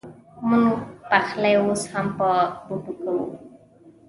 مونږ پخلی اوس هم په بوټو کوو